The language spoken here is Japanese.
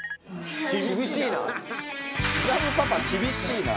「厳しいな」